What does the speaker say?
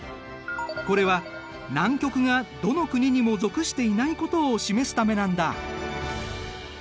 これは南極がどの国にも属していないことを示すためなんだ。